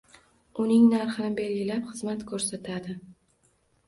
Uning narxni belgilab, xizmat koʻrsatadi